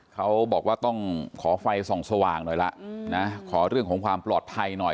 เขาบอกว่าต้องขอไฟส่องสว่างหน่อยละนะขอเรื่องของความปลอดภัยหน่อย